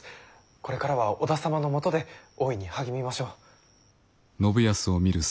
これからは織田様のもとで大いに励みましょう。